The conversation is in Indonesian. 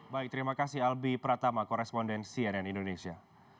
baik terima kasih albi pratama koresponden cnn indonesia